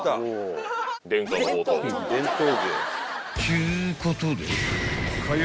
［ちゅうことでかよ